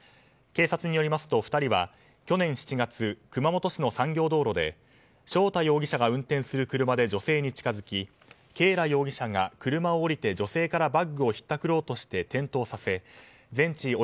警察によりますと２人は去年７月熊本市の産業道路で翔太容疑者が運転する車で女性に近づき啓良容疑者が車を降りて女性からバッグをひったくろうとして転倒させ、全治